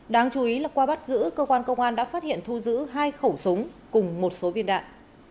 đáng chú ý là qua bắt giữ cơ quan công an đã phát hiện thu giữ hai khẩu súng cùng một số viên đạn